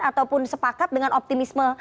ataupun sepakat dengan optimisme